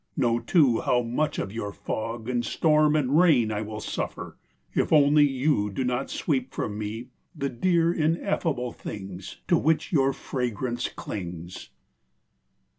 Know too how much of your fog And storm and rain I will suffer, If only you do not sweep from me The dear ineffable things, To which your fragrance clings.